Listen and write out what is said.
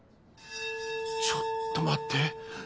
ちょっと待って。